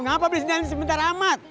lu ngapa beli sinyalnya sebentar amat